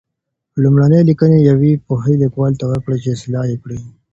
لومړني لیکنې یوې پوهې لیکوال ته ورکړئ چې اصلاح یې کړي.